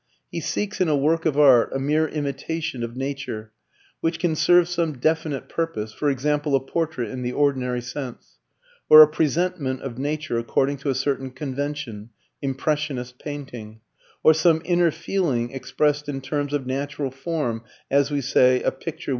He seeks in a work of art a mere imitation of nature which can serve some definite purpose (for example a portrait in the ordinary sense) or a presentment of nature according to a certain convention ("impressionist" painting), or some inner feeling expressed in terms of natural form (as we say a picture with Stimmung) [Footnote: Stimmung is almost untranslateable.